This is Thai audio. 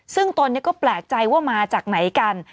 ซึ่งตนก็แปลกใจว่ามาจากไหนกัน